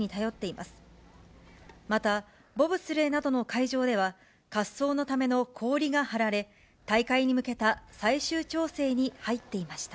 また、ボブスレーなどの会場では、滑走のための氷が張られ、大会に向けた最終調整に入っていました。